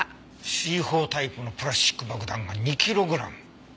Ｃ４タイプのプラスチック爆弾が２キログラム。